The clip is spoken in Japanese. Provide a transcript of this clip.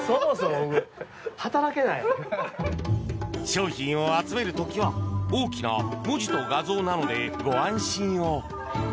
商品を集める時は大きな文字と画像なのでご安心を。